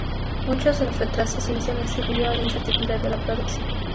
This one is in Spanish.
Muchos de los retrasos iniciales se debió a la incertidumbre de la producción.